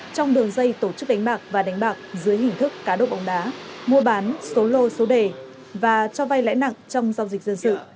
trong đường dây tổ chức đánh bạc và đánh bạc dưới hình thức cá độ bóng đá mua bán số lô số đề và cho vay lãi nặng trong giao dịch dân sự